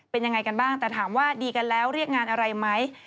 เป็นยังไงกันบ้างแต่ถามว่าดีกันแล้วเรียกงานอะไรไหม